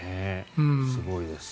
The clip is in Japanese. すごいです。